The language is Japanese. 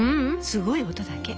すごい音だけ。